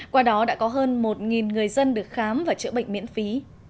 qua đó đã có hơn một người dân được khám và chữa bệnh miễn phí